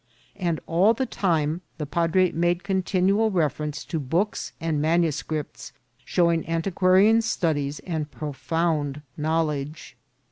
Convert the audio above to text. And all the time the padre made continual reference to books and manuscripts, showing antiquarian studies and pro found knowledge.